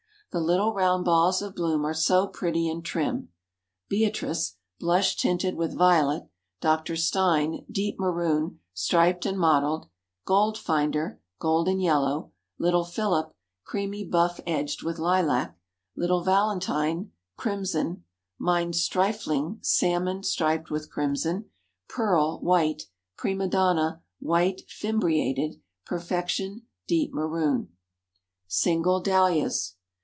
The little round balls of bloom are so pretty and trim. Beatrice, blush tinted with violet; Dr. Stein, deep maroon, striped and mottled; Goldfinder, golden yellow; Little Philip, creamy buff edged with lilac; Little Valentine, crimson; Mein Streifling, salmon, striped with crimson; Pearl, white; Prima Donna, white, fimbriated; Perfection, deep maroon. SINGLE DAHLIAS.